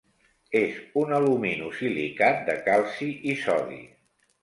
És un aluminosilicat de calci i sodi.